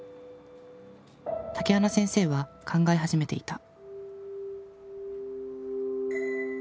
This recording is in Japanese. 竹花先生は考え始めていた。